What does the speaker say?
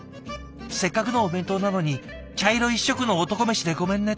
「せっかくのお弁当なのに茶色一色の男飯でごめんね」